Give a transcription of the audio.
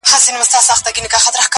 چې ته به چرته یې او څنګه به یې